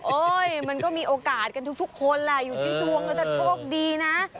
โอ้ยมันก็มีโอกาสกันทุกคนล่ะอยู่ที่ดวงก็จะโชคดีนะ